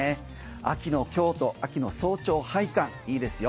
秋の京都、秋の早朝拝観いいですよ。